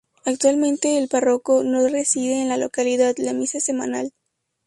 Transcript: Actualmente el párroco no reside en la localidad, la misa es semanal.